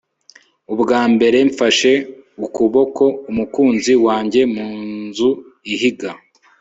ubwa mbere mfashe ukuboko umukunzi wanjye mu nzu ihiga